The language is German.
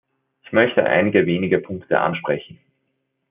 Ich möchte einige wenige Punkte ansprechen.